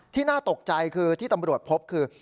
น่าตกใจคือที่ตำรวจพบคือ